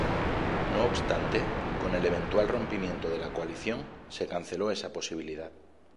No obstante, con el eventual rompimiento de la coalición, se canceló esa posibilidad.